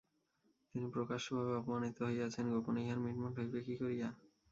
তিনি প্রকাশ্যভাবে অপমানিত হইয়াছেন, গোপনে ইহার মিটমাট হইবে কী করিয়া।